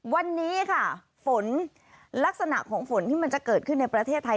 วันนี้ค่ะฝนลักษณะของฝนที่มันจะเกิดขึ้นในประเทศไทย